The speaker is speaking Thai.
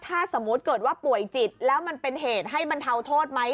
ถ้าสมมุติเกิดว่าป่วยจิตแล้วมันเป็นเหตุให้บรรเทาโทษไหม